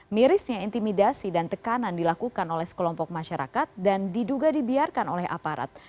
mirisnya intimidasi dan tekanan dilakukan oleh sekelompok masyarakat dan diduga dibiarkan oleh aparat